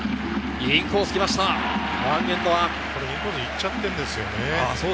インコースに行っちゃってるんですよね。